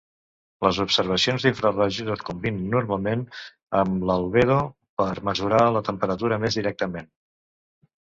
Les observacions d'infrarojos es combinen normalment amb l'albedo per mesurar la temperatura més directament.